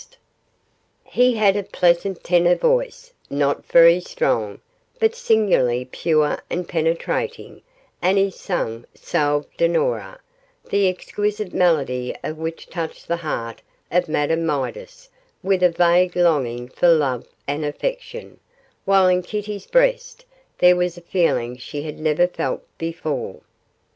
He had a pleasant tenor voice, not very strong, but singularly pure and penetrating, and he sang 'Salve Dinora', the exquisite melody of which touched the heart of Madame Midas with a vague longing for love and affection, while in Kitty's breast there was a feeling she had never felt before.